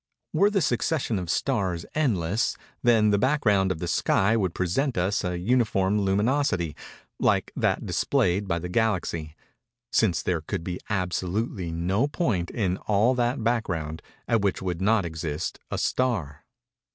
Were the succession of stars endless, then the background of the sky would present us an uniform luminosity, like that displayed by the Galaxy—_since there could be absolutely no point, in all that background, at which would not exist a star.